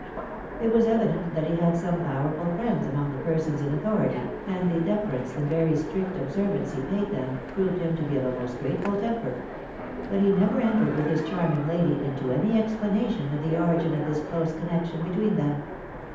It was evident that he had some powerful friends among the persons in authority, and the defer ence and very strict observance he paid them, proved him to be of a most grateful temper; but he never entered with his charm ing lady into any explanation of the origin of this close con nection between them.